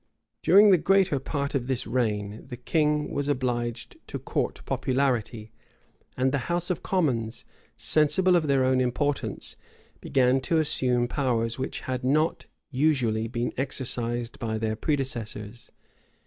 During the greater part of this reign, the king was obliged to court popularity; and the house of commons, sensible of their own importance, began to assume powers which had not usually been exercised by their predecessors.